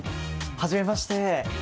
はじめまして。